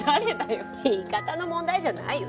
言い方の問題じゃないよね。